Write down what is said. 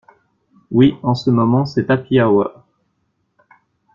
Oui en ce moment c'est happy hour.